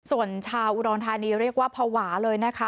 ส่วนชาวอุดรธานีเรียกว่าภาวะเลยนะคะ